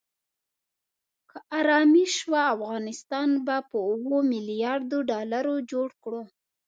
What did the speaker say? که آرامي شوه افغانستان به په اوو ملیاردو ډالرو جوړ کړو.